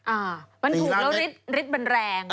อ่ามันถูกแล้วฤทธิฤทธิ์มันแรง